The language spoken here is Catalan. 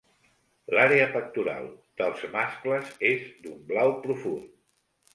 L'àrea pectoral dels mascles és d'un blau profund.